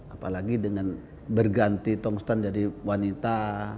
apalagi dengan berganti tong setan jadi wanita